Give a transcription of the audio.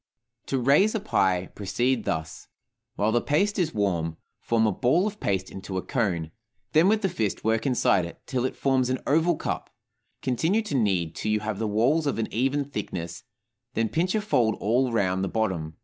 To "raise" a pie, proceed thus: While the paste is warm, form a ball of paste into a cone; then with the fist work inside it, till it forms an oval cup; continue to knead till you have the walls of an even thickness, then pinch a fold all around the bottom.